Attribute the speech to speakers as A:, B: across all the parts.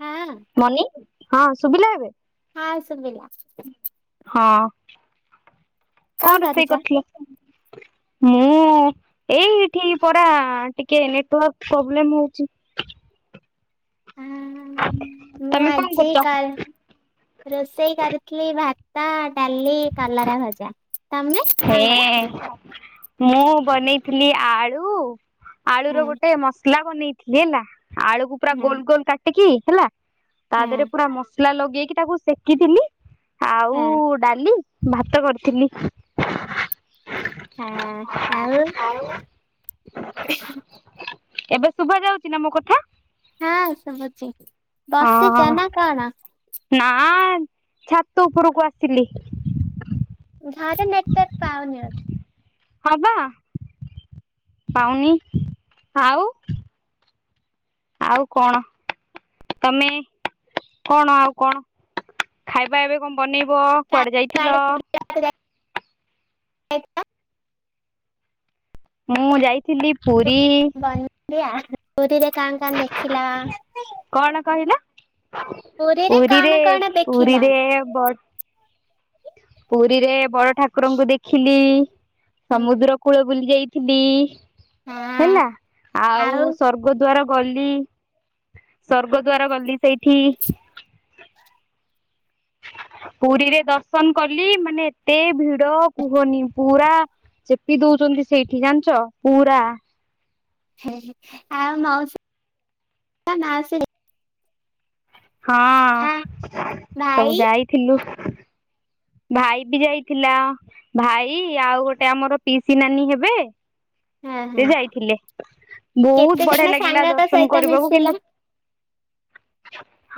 A: ହଁ
B: ମନି ହଁ ଶୁଭିଲା ଏବେ?
A: ହଁ ଶୁଭିଲା।
B: ହଁ କଣ ରୋଷେଇ କରିଥିଲ? ମୁଁ ଏଠି ପରା ଟିକେ ନେଟୱାର୍କ ପ୍ରୋବ୍ଲେମ ହଉଛି।
A: ହୁଁ ହୁଁ ମୁଁ
B: ତମେ କଣ
A: ଆଜି
B: କରୁଛ?
A: କାଲ୍ ରୋଷେଇ କରିଥିଲି ଭାତ ଡାଲି କଲରା ଭଜା। ତମେ କଣ କରିଥିଲ?
B: ହେଁ ମୁଁ ବନେଇଥିଲି ଆଳୁ। ଆଳୁର
A: ହଁ
B: ର ଗୋଟେ ମସଲା ବନେଇଥିଲି ହେଲା ଆଳୁକୁ ପୁରା ଗୋଲ
A: ହଁ
B: ଗୋଲ କାଟିକି ହେଲା। ତା ଉପରେ
A: ହଁ
B: ପୁରା ମସଲା ଲଗେଇକି ତାକୁ ସେକିଥିଲି ଆଉ
A: ହଁ
B: ଡାଲି ଭାତ କରିଥିଲି।
A: ହଁ ଆଉ।
B: ହଉ [inaudible]
A: ହ [inaudible]
B: ଏବେ ଶୁଭା ଯାଉଛି ନା ମୋ କଥା?
A: ହଁ ଶୁଭୁଛିି ବାସୁଛ
B: ହଁ
A: ନା କଣ?
B: ନା ଛାତ ଉପରକୁ ଆସିଲି।
A: ଘରେ ନେଟୱର୍କ ପାଉନି।
B: ହ୍ୟାଲୋ। ପାଉନି ଆଉ ଆଉ କଣ? ତମେ କଣ ଆଉ କଣ? ଖାଇବା ଏବେ କଣ ବନେଇବ କୁଆଡ଼େ ଯାଇଥିଲ?
A: ବୋଧେ।
B: ମୁଁ ଯାଇଥିଲି ପୁରୀ।
A: ପୁରୀରେ କଣ କଣ ଦେଖିଲ?
B: କଣ କହିଲ
A: କଣ
B: ପୁରୀରେ
A: କଣ ଦେଖିଲ?
B: ପୁରୀରେ ପୁରୀରେ ବଡ଼ ଠାକୁରଙ୍କୁ ଦେଖିଲି
A: ହୁଁ
B: ସମୁଦ୍ର କୂଳ ବୁଲି ଯାଇଥିଲି
A: ହଁ
B: ହେଲା ଆଉ ସ୍ୱର୍ଗ ଦ୍ଵାର ଗଲି। ସର୍ଗ ଦ୍ଵାର ଗଲି ସେଇଠି ପୁରୀରେ ଦର୍ଶନ କଲି ମାନେ ଏତେ ଭିଡ଼ କୁହନି ପୁରା ଚେପି ଦଉଛନ୍ତି ସେଇଠି ଜାଣିଛ ପୁରା
A: ଆଉ ମାଉସୀ ଆ
B: ହଁ ସବୁ
A: ଭାଇ
B: ଯାଇଥିଲୁ। ଭାଇ ବି ଯାଇଥିଲା ଭାଇ ଆଉ ଗୋଟେ ଆମର ପିସି ନାନୀ ହେବେ
A: ହଁ ହଁ
B: ସେ ଯାଇଥିଲେ ବହୁତ
A: କେତେ
B: ବଢ଼ିଆ
A: ଜଣ
B: ଲାଗିଲା
A: ସାଙ୍ଗଙ୍କ
B: ଦର୍ଶନ
A: ସହିତ
B: କରିବାକୁ
A: ମିଶିଲା
B: କିନ୍ତୁ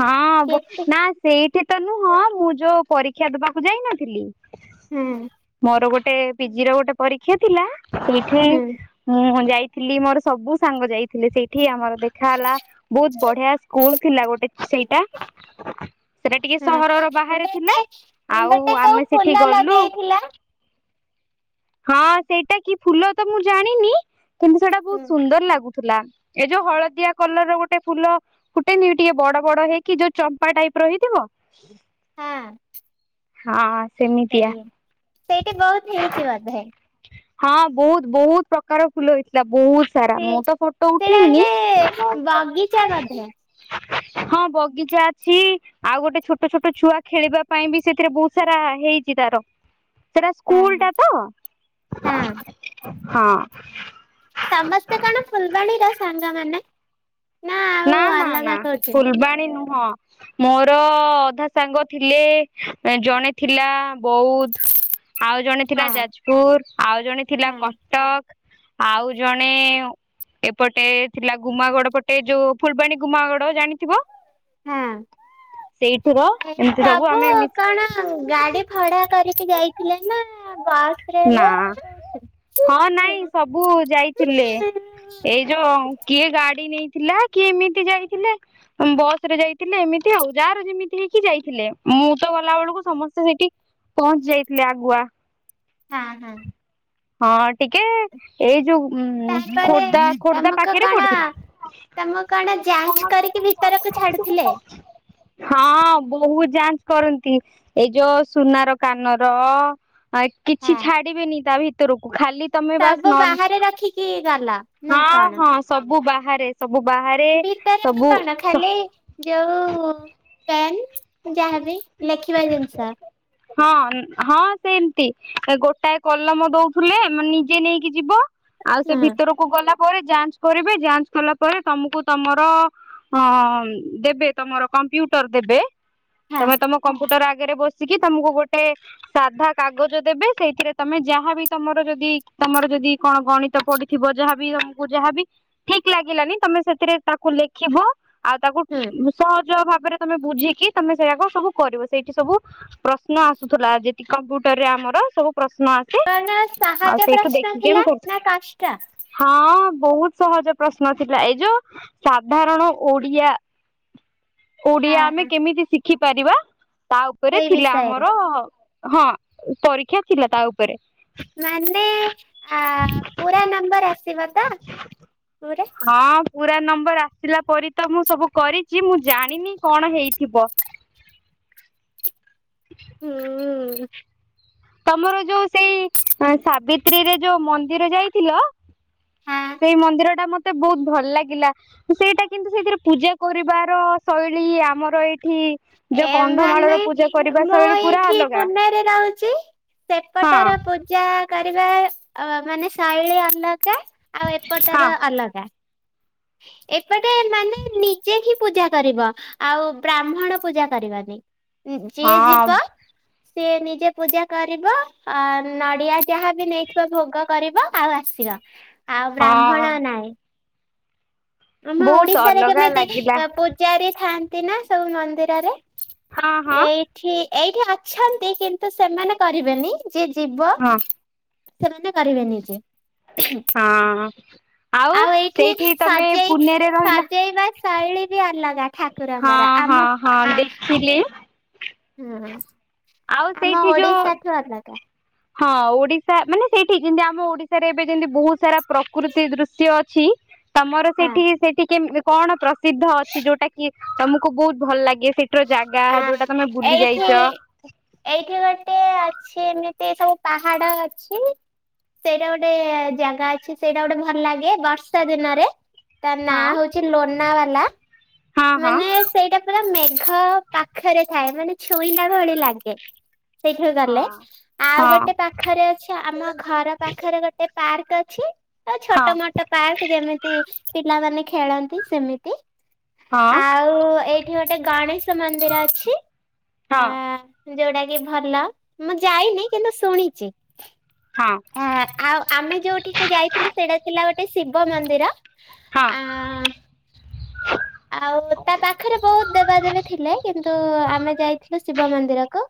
B: ହଁ
A: କେତେ
B: ନା ସେଇଠି ତ ନୁହଁ ମୁଁ ଯଉ ପରୀକ୍ଷା ଦବାକୁ ଯାଇନଥିଲି
A: ହୁଁ।
B: ମୋର ଗୋଟେ ପିଜି ର ଗୋଟେ ପରୀକ୍ଷା ଥିଲା ସେଇଠି
A: ହୁଁ
B: ହୁଁ ଯାଇଥିଲି ମୋର ସବୁ ସାଙ୍ଗ ଯାଇଥିଲି ସେଇଠି ଆମର ଦେଖା ହେଲା। ବହୁତ୍ ବଢ଼ିଆ ସ୍କୁଲ ଥିଲା ଗୋଟେ ସେଇଟା ସେଟା ଟିକେ
A: ହଁ
B: ସହରର ବାହାରେ ଥିଲା
A: ଗୋଟେ
B: ଆଉ
A: ଗୋଟେ କୋଉ
B: ଆମେ ସେଠି
A: ଫୁଲ
B: ଗଲୁ
A: ଲଗେଇଥିଲା
B: ହଁ ସେଇଟା କି ଫୁଲ ତ ମୁଁ ଜାଣିନି। କିନ୍ତୁ ସେଟା
A: ହୁଁ
B: ବହୁତ ସୁନ୍ଦର ଲାଗୁଥିଲା ଏ ଯଉ ହଳଦିଆ କଲର ର ଗୋଟେ ଫୁଲ ଫୁଟେନି ଗୋଟେ ଟିକେ ବଡ଼ ବଡ଼ ହେଇକି ଯଉ ଚମ୍ପା ଟାଇପ୍ ର ହେଇଥିବ।
A: ହଁ।
B: ହଁ। ସେମିତିଆ
A: ସେଇ ସେଇଠି ବହୁତ ହେଇଛି ବୋଧେ ଭାଇ।
B: ହଁ ବହୁତ୍ ବହୁତ୍ ପ୍ରକାର ଫୁଲ ହେଇଥିଲା ବହୁତ୍
A: ସେ
B: ମୁଁ ତ ଫଟୋ
A: ସେଇଟା
B: ଉଠେଇନି।
A: ଗୋଟେ ବଗିଚା ବୋଧେ
B: ହଁ ବଗିଚା ଅଛି ଆଉ ଗୋଟେ ଛୋଟ ଛୋଟ ଛୁଆ ଖେଳିବା ପାଇଁ ବି ସେଥିରେ ବହୁତ ସାରା ହେଇଛି ତାର ସେଟା
A: ହଁ
B: ସ୍କୁଲ୍
A: ହଁ
B: ଟା ତ।
A: ହଁ
B: ହଁ।
A: ସମସ୍ତେ କଣ ଫୁଲବାଣୀ ର ସାଙ୍ଗ ମାନେ?
B: ନାଁ ନାଁ ନାଁ ଫୁଲବାଣୀ ନୁହଁ। ମୋର ଅଧା ସାଙ୍ଗ ଥିଲେ ଜଣେ ଥିଲା ବୌଧ। ଆଉ ଜଣେ ଥିଲା
A: ହଁ
B: ଯାଜପୁର ଆଉ ଜଣେ ଥିଲା
A: ହଁ
B: କଟ ଆଉ ଜଣେ ଏପଟେ ଥିଲା ଗୁମାଗଡ଼ ପଟେ। ଯୋଉ ଫୁଲବାଣୀ ଗୁମାଗଡ଼ ଜାଣିଥିବ।
A: ହଁ
B: ସେଇଠିବ ଏମତି ସବୁ ଆମେ ମି
A: ଆଉ ଗାଡ଼ି ଭଡ଼ା କରିିକି ଯାଇ ଥିଲେ ନାଁ ବାସ୍ ରେ
B: ନା
A: ନାଁ କୋଉଥିରେ?
B: ଥିଲେ ଏଇ ଯୋଉ କିଏ ଗାଡ଼ି ନେଇଥିଲା କିଏ ଏମିତି ଯାଇଥିଲେ। ଉଁ ବସ୍ ରେ ଯାଇଥିଲେ ଏମିତି ଆଉ ଯାହାର ଯେମିତି ହେଇକି ଯାଇଥିଲେ ମୁଁ ତ ଗଲା ଅଳୁକୁ ସମସ୍ତେ ସେଠି ପହଞ୍ଚି ଯାଇଥିଲେ ଆଗୁଆ।
A: ହଁ ହଁ।
B: ହଁ ଟିକେ ଏଇ ଯୋଉ ଉଁ
A: ତାପରେ
B: ଖୋର୍ଦ୍ଦା ଖୋର୍ଦ୍ଦା
A: ତମକୁ
B: ପାଖେରେ
A: କଣ
B: ପଡ଼ିଥିଲେ।
A: ତମକୁ କଣ ଯାଞ୍ଚ
B: ତମେ ତମ
A: କରିକି
B: [unintelligible]
A: ଭିତରକୁ
B: ସାଙ୍ଗେରେ
A: ଛାଡୁଥିଲେ?
B: ପକେଇ ହଁ ବୋହୁତ ଯାଞ୍ଚ କରନ୍ତି ଏଇ ଯୋଉ ସୁନାର କାନର ଆଏ କିଛି
A: ହଁ
B: ଛାଡି଼ବେନି ତା ଭିତରକୁ ଖାଲି ତମେ
A: ସବୁ
B: ବାସ୍ ନନ୍
A: ବାହାରେ ରଖିକି ଗଲ ନା
B: ହଁ
A: କଣ?
B: ହଁ ସବୁ ବାହାରେ। ସବୁ ବାହାରେ
A: ଭିତରକୁ
B: ସବୁ
A: କଣ
B: ତ
A: ଖାଲି ଯୋଉ ପେନ୍ ଯାହା ବି ଲେଖିବା ଜିନିଷ।
B: ହଁ ହଁ ସେମତି ଗୋଟାଏ କଲମ ଦଉଥୁଲେ ମ ନିଜେ ନେଇକି ଯିବ। ଆଉ ସେ
A: ହଁ
B: ଭିତରକୁ ଗଲା ପରେ ଯାଞ୍ଚ କରିବେ ଯାଞ୍ଚ କଲା ପରେ ତମୁକୁ ତମର ହଁ ଦେବେ ତମର କମ୍ପ୍ୟୁଟର ଦେବେ।
A: ହଁ
B: ତମେ ତମ କମ୍ପ୍ୟୁଟର ଆଗରେ ବସିକି ତମୁକୁ ଗୋଟେ ସାଧା କାଗଜ ଦେବେ ସେଇଥିରେ ତମେ ଯାହା ବି ତମର ଯଦି ତମର ଯଦି କଣ ଗଣିତ ପଡ଼ି ଥିବ ଯାହା ବି ତମୁକୁ ଯାହା ବି ଠିକ୍ ଲାଗିଲାନି ତମେ ସେଥିରେ ତାକୁ ଲେଖିବ। ଆଉ ତାକୁ
A: ହୁଁ
B: ଉଁ ସହଜ ଭାବରେ ତମେ ବୁଝିକି ତମେ ସେଇଆକ ସବୁ କରିବ ସେଇଠି ସବୁ ପ୍ରଶ୍ନ ଆସୁଥୁଲା ଯେତି କମ୍ପୁଟରରେ ଆମର ସବୁ ପ୍ରଶ୍ନ ଆସ୍
A: କଣ ସାହାଜ ପ୍ରଶ୍ନ ଥିଲା
B: କରୁ
A: ନାଁ କାଷ୍ଟ?
B: ହଁ ବହୁତ ସହଜ ପ୍ରଶ୍ନ ଥିଲା ଏଇ ଯୋଉ ସାଧାରଣ ଓଡ଼ିଆ ଓଡ଼ିଆ
A: ହଁ
B: ଆମେ
A: ହଁ
B: କେମିତି ଶିଖି ପାରିବା ତା ଉପରେ
A: ସେଇ
B: ଥିଲା
A: ବିଷୟରେ
B: ଆମର ହଁ ପରୀକ୍ଷା ଥିଲା ତା ଉପରେ।
A: ମାନେ ଆ ପୁରା ନମ୍ବର ଆସିବ ତ ପୁରା?
B: ହଁ ପୁରା ନମ୍ବର ଆସିଲା ପରି ତ ମୁଁ ସବୁ କରିଚି ମୁଁ ଜାଣିନି କଣ ହେଇଥିବ।
A: ହୁଁ
B: ତମର ଯୋଉ ସେଇ ଅଁ ସାବିତ୍ରୀରେ ଯୋଉ ମନ୍ଦିର ଯାଇଥିଲ
A: ହଁ
B: ସେଇ ମନ୍ଦିରଟା ମତେ ବୋହୁତ ଭଲ ଲାଗିଲା। ସେଇଟା କିନ୍ତୁ ସେଇଥିରେ ପୂଜା କରିବାର ଶୈଳୀ ଆମର ଏଇଠି ଯୋଉ
A: ଏମାନେ
B: କନ୍ଧମାଳର ପୂଜା କରିବା ଶୈଳୀ ପୁରା ଅଲଗା।
A: ତେ ରହୁଚି
B: ହଁ
A: ସେପଟର ପୂଜା କରିବା ଅ ମାନେ ଶୈଳୀ ଅଲ କା ଆଉ ଏପଟ
B: ହଁ
A: ର ଅଲଗା। ଏପଟେ ମାନେ ନିଜେ ହିଁ ପୂଜା କରିବ ଆଉ ବ୍ରାହ୍ମଣ ପୂଜା କରିବନି ଉଁ ଯିଏ
B: ହଁ
A: ଯିବ ସିଏ ନିଜେ ପୂଜା କରିବ ଅ ନଡ଼ିଆ ଯାହା ବି ନେଇଥିବ ଭୋଗ କରିବ। ଆଉ ଆସିବ ଆଉ
B: ହଁ
A: ବ୍ରାହ୍ମଣ ନାଇଁ। ଆମ
B: ବହୁତ
A: ଓଡିଶାରେ କେମେ
B: ଅଲଗା
A: ଦେ ଓ
B: ଲାଗିଲା
A: [unintelligible] ପୂଜାରି ଥାଆନ୍ତି ନା ସବୁ ମନ୍ଦିରରେ
B: ହଁ ହଁ
A: ଏଇ ଠି ଏଇଠି ଅଛନ୍ତି କିନ୍ତୁ ସେମାନେ କରିବେନି ଯିଏ ଜୀବ
B: ହଁ।
A: ସେମିତି କରିବେନି।
B: ହଁ ଆଉ ସେଇଠି ତମେ ପୁନେରେ ରହିଲା
A: ସେଇ ବା ଶୈଳୀ ବି ଅଲଗା ଠାକୁରଙ୍କର ଆମ ଆ
B: ଥିଲି
A: ହୁଁ।
B: ଆଉ ସେଇଠି ଯୋଉ ହଁ ଓଡିଶା ମାନେ ସେଇଠି ଯେମିତି ଆମ ଓଡିଶାରେ ଏବେ ଯେମିତି ବହୁତ ସାରା ପ୍ରକୃତି ଦୃଶ୍ୟ ଅ ଛି। ତମର
A: ହଁ
B: ସେଠି ସେଠି କେମତି କଣ ପ୍ରସିଦ୍ଧ ଅଛି ଯୋଉଟା କି ତମକୁ ବହୁତ ଭଲ ଲାଗେ ସେଠି? ଜାଗା
A: ଆ
B: ଯୋଉଟା ତମେ ବୁଲି
A: ଏଇଠି
B: ଯାଇଚ?
A: ଏଇଠି ଗୋଟେ ଅଛି ଏମିତି ସବୁ ପାହାଡ ଅଛି। ସେଇଟା ଗୋଟେ ଜାଗା ଅଛି ସେଇଟା ଗୋଟେ ଭଲ ଲାଗେ ବର୍ଷା ଦିନରେ। ତା ନାଁ
B: ହଁ
A: ହଉଛି ଲୋନା ବାଲା
B: ହଁ
A: ମାନେ
B: ହଁ
A: ସେଇଟା ପୁରା ମେ ମେଘ ପାଖରେ ଥାଏ ମାନେ ଛୋଇଲା ଭଳି ଲାଗେ। ସେଇଠିକି ଗଲେ ଆଉ ଗୋଟେ
B: ହଁ
A: ପାଖ ପାଖରେ ଅଛି ଆମ ଘର ପାଖରେ ଗୋଟେ ପାର୍କ ଅଛି। ଆ
B: ହଁ
A: ଛୋଟ ମୋଟ ପାର୍କ ଯେମିତି ପିଲାମାନେ ଖେଳନ୍ତି ସେମିତି।
B: ହଁ
A: ଆଉ ଏଇଠି ଗୋଟେ ଗଣେଶ ମନ୍ଦିର ଅଛି
B: ହଁ
A: ଆ ଯୋଉଟା କି ଭଲ ମୁଁ ଯାଇନି କିନ୍ତୁ ଶୁଣିଛି।
B: ହଁ।
A: ହ ଆଉ ଆମେ ଯୋଉଠିକୁ ଯାଇଥିଲୁ ସେଇଟା ଥିଲା ଗୋଟେ ଶିବ ମନ୍ଦିର।
B: ହଁ
A: ଆ ଆଉ ତା ପାଖରେ ବହୁତ ଦେବାଦେବୀ ଥିଲେ। ଥିଲେ କିନ୍ତୁ ଆମେ ଯାଇଥିଲୁ ଶିବ ମନ୍ଦିର କୁ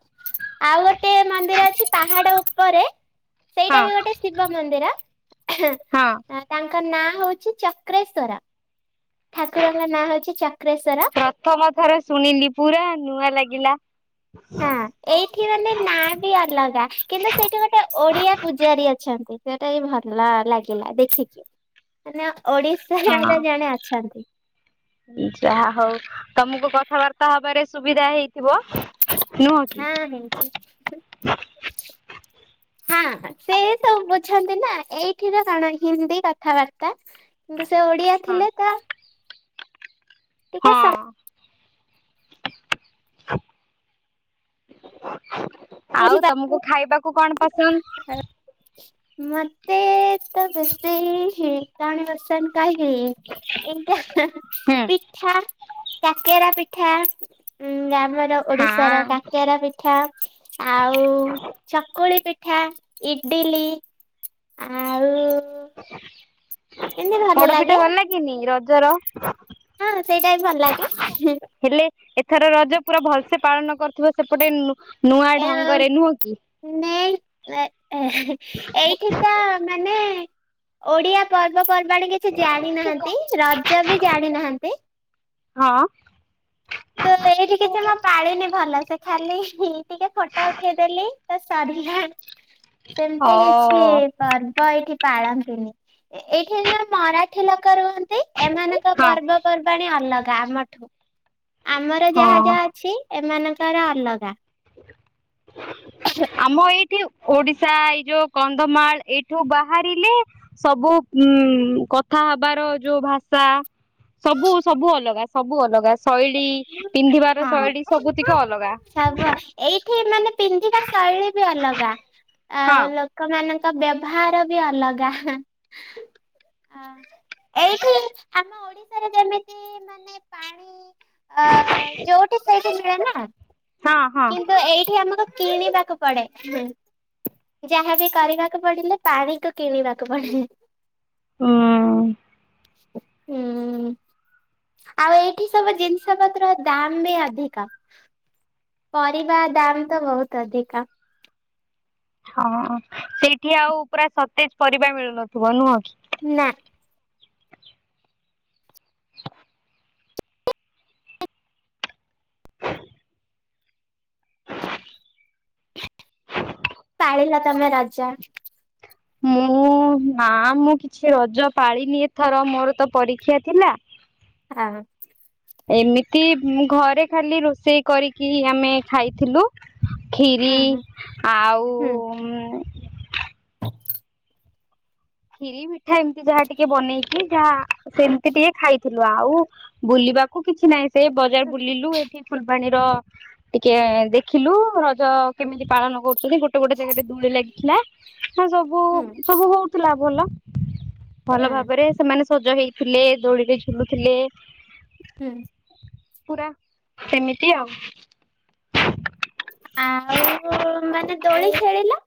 A: ଆଉ ଗୋଟେ ମନ୍ଦିର ଅଛି ପାହାଡ ଉପରେ ସେଇଟା
B: ହଁ।
A: ବି ଗୋଟେ ଶିବ ମନ୍ଦିର
B: ହଁ
A: [unintelligible] ତାଙ୍କ ନାଁ ହଉଛି ଚକ୍ରେଶ୍ଵର ଠାକୁରଙ୍କ ନାଁ ହଉଛି ଚକ୍ରେଶ୍ଵର।
B: ପ୍ରଥମ ଥର ଶୁଣିଲି ପୁରା ନୂଆ ଲାଗିଲା।
A: ହଁ ଏଇଠି ମାନେ ନାଁ ବି ଅଲଗା। କିନ୍ତୁ ସେଇଠି ଗୋଟେ ଓଡିଆ ପୂଜାରୀ ଅଛନ୍ତି ସେଟା ବି ଭଲ ଲାଗିଲା ଦେଖିକି। ମାନେ ଓଡିଶାର
B: ହଁ
A: ଜଣେ ଅଛନ୍ତି।
B: ଯାହା ହଉ ତମକୁ କଥାବାର୍ତ୍ତା ହବାରେ ସୁବିଧା ହେଇଛି ଥିବ ନୁହ
A: ହଁ ହେଇଛି।
B: କି?
A: ହଁ ସେ ସବୁ ବୁଝନ୍ତି ନା ଏଇଠିର କଣ ହିନ୍ଦୀ କଥାବାର୍ତ୍ତା। କିନ୍ତୁ ସେ ଓଡିଆ
B: ହଁ
A: ଥିଲେ ତା ଟିକେ ଅ ସାର୍
B: [unintelligible] ଆଉ
A: ବୁଝିପାର
B: ତମକୁ ଖାଇବାକୁ କଣ ପସନ୍ଦ?
A: ମତେ ତ ରୋଷେଇ [unintelligible] [unintelligible]
B: ହୁଁ
A: ପିଠା କାକେରା ପିଠା। ଉଁ ଆମର ଓଡିଶାର
B: ହଁ
A: କାକେରା ପି ପିଠା ଆଉ ଚକୁଳି ପିଠା, ଇଡିଲି ଆଉ ଏମିତି
B: ପୋଡପିଠା
A: ଲାଗେ
B: ଭଲ ଲାଗେନି ରଜର?
A: ହ ସେଇଟା ବି ଭଲ ଲାଗେ।
B: ହେଲେ ଏଥର ରଜ ପୁରା ଭଲସେ ପାଳନ କରିୁଥିବ ସେପଟେ ନୂଆ
A: ଏ
B: ଢଙ୍ଗରେ ନୁହଁ କି?
A: ନ ଏଇଠି ତ ମାନେ ଓଡିଆ ପର୍ବପର୍ବାଣି କି କି ଜାଣିନାହାନ୍ତି ରଜ ବି ଜାଣିନାହାନ୍ତି।
B: ହଁ।
A: ତ ଏଇଠି କିଛି ମୁଁ ପାଳିନି ଭଲ ସେ ଖାଲି ଟିକେ ଫଟା ଉଠେଇଦେଲି ତ ସରିଲା। ସେମିତି କିଛି
B: ହଁ।
A: ପର୍ବ ଏଇଠି ପାଳନ୍ତିନି। ଏଇଠି ଯ ମରାଠି ଲୋକ ରୁହନ୍ତି। ଏମାନଙ୍କ
B: ହଁ
A: ପର୍ବପର୍ବାଣୀ ଅଲଗା ଆମଠୁ। ଆମର ଯାହା
B: ହଁ
A: ଯାହା ଅଛି ଏମାନଙ୍କର ଅଲଗା।
B: ଆମ ଏଇଠି ଓଡିଶା ଏଇ ଯୋଉ କନ୍ଧମାଳ, ଏଇଠୁ ବାହାରିଲେ ସବୁ ଉଁ କଥା ହବାର ଯୋଉ ଭାଷା ସବୁ ସବୁ ଅଲଗା ସବୁ ଅଲଗା ଶୈଳୀ, ପିନ୍ଧିବାର
A: ହଁ
B: ଶୈଳୀ, ସବୁତିକ ଅଲଗା।
A: ସବୁ ଏଇଠି ମାନେ ପିନ୍ଧିବା ଶୈଳୀ ବି ଅଲଗା,
B: ହଁ
A: ଆଉ ଲୋକମାନଙ୍କ ତ ବ୍ୟବହାର ବି ଅଲଗା। ହଁ। ଏଇଠି ଆମ ଓଡିଶାରେ ଯେମିତି ମାନେ ପାଣି ଅ ଯୋଉଠି ସେଇଠି ମିଳେ ନା,
B: ହଁ ହଁ
A: କିନ୍ତୁ ଏଇଠି ଆମକୁ କିଣିବା କୁ ପଡେ। ଯାହାବି କରିବାକୁ ପଡିଲେ ପାଣିକୁ କିଣିବାକୁ ପଡେ।
B: ହୁଁ।
A: ହୁଁ। ଆଉ ଏଇଠି ସବୁ ଜିନିଷ ପତ୍ର ଦାମ ବି ଅଧିକ। ପରିବା ଦାମ ତ ବହୁତ ଅଧିକା।
B: ହଁ। ସେଇଠି ଆଉ ପୁରା ସତେଜ ପରିବା ମିଳୁନଥିବ ନୁହଁ କି।
A: ନାଁ। ପାଳିଲ ତମେ ରଜ?
B: ମୁଁ ମୁଁ ନାଁ ମୁଁ କିଛି ରଜ ପାଳିନି ଏଥର, ମୋର ତ ପରୀକ୍ଷା ଥିଲା।।
A: ହଁ।
B: ଏମିତି ଘରେ ଖାଲି ରୋଷେଇ କରିକି ଆମେ ଖାଇଥିଲୁ। ଖିରି
A: ହଁ ହଁ
B: ଆଉ
A: ହୁଁ [inaudible]
B: ଖିରି, ମିଠା ଏମିତି ଯାହା ଟିକେ ବନେଇକି ଯାହା ସେମିତି ଟିକେ ଖାଇଥିଲୁ, ଆଉ ବୁଲିବାକୁ କିଛି ନାହିଁ, ସେ ବଜାର ବୁଲିଲୁ ଏଠି ଫୁଲବାଣୀର ଟିକେ ଦେଖିଲୁ ରଜ କେମିତି ପାଳନ କରୁଛନ୍ତି, ଗୋଟେ ଗୋଟେ ଗୋଟେ ଜାଗାରେ ଦୋଳି ଲାଗିଥିଲା ହଁ ସବୁ
A: ହୁଁ।
B: ସବୁ ହଉଥିଲା ଭଲ। ଭଲ
A: ହୁଁ
B: ଭାବରେ ସେମାନେ ସଜ ହେଇଥିଲେ ଦୋଳିରେ ଝୁଲୁଥିଲେ।
A: ହୁଁ।
B: ପୁରା ସେମିତି ଆଉ।
A: ଆଉ ମାନେ ଦୋଳି ଖେଳିଲ?